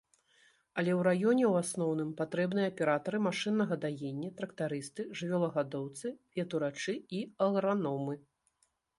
Але ў раёне, у асноўным, патрэбныя аператары машыннага даення, трактарысты, жывёлагадоўцы, ветурачы і аграномы.